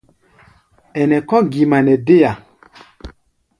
Ɛnɛ kɔ̧́ gima nɛ déa.